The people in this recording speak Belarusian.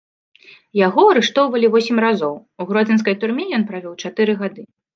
Яго арыштоўвалі восем разоў, у гродзенскай турме ён правёў чатыры гады.